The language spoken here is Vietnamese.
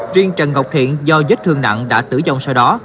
riêng trần ngọc thiện do vết thương nặng đã tử vong sau đó